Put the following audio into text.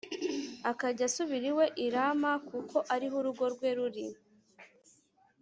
akajya asubira iwe i rama kuko ari ho urugo rwe ruri